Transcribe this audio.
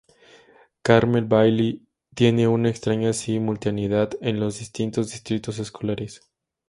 Carmel Valley tiene una extraña simultaneidad en los distintos distritos escolares.